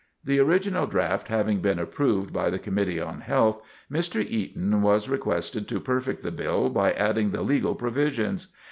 The original draft having been approved by the Committee on Health, Mr. Eaton was requested to perfect the bill by adding the legal provisions.